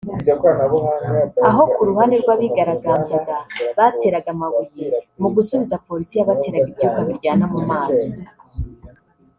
aho ku ruhande rw’abigaragambyaga bateraga amabuye mu gusubiza polisi yabateraga ibyuka biryana mu maso